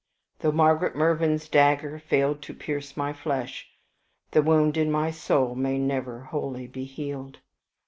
Though Margaret Mervyn's dagger failed to pierce my flesh, the wound in my soul may never wholly be healed.